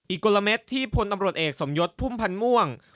กลมที่พลตำรวจเอกสมยศพุ่มพันธ์ม่วง